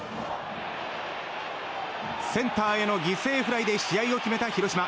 センターへの犠牲フライで試合を決めた広島。